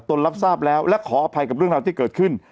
รับทราบแล้วและขออภัยกับเรื่องราวที่เกิดขึ้น